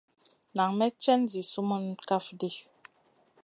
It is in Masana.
Nan may cèn zi sumun kaf ɗi.